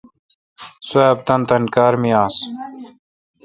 سواب تان تان کار می آس